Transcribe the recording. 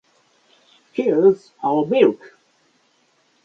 Here's our milk!